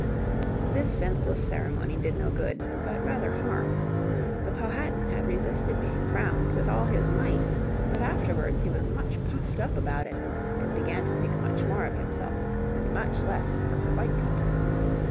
This senseless ceremony did no good, but rather harm. The Powhatan had resisted being crowned with all his might, but afterwards he was much puffed up about it, and began to think much more of himself, and much less of the white people.